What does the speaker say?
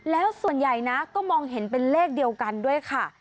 แล้วส่วนใหญ่นะก็มองเห็นเป็นเลขเดียวกันด้วยค่ะ